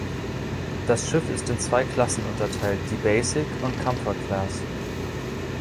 Das Schiff ist in zwei Klassen unterteilt, die Basic- und Comfort-Class.